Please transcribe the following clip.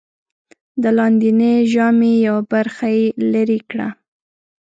د لاندېنۍ ژامې یوه برخه یې لرې کړه.